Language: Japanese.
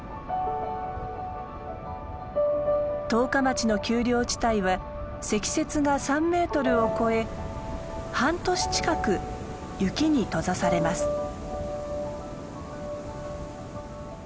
十日町の丘陵地帯は積雪が３メートルを超え半年近く雪に閉ざされます。